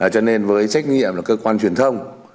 cho nên với trách nhiệm là cơ quan truyền thông